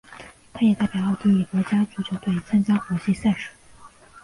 他也代表奥地利国家足球队参加国际赛事。